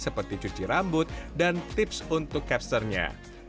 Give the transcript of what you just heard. seperti cuci rambut dan tips untuk capsternya